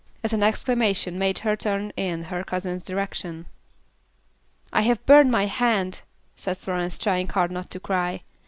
as an exclamation made her turn in her cousin's direction. "I have burned my hand," said Florence, trying hard not to cry.